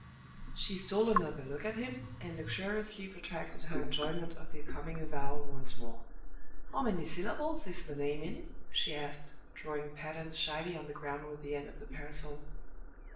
She stole another look at him, and luxuriously protracted her enjoyment of the coming avowal once more. "How many syllables is the name in?" she asked, drawing patterns shyly on the ground with the end of the parasol.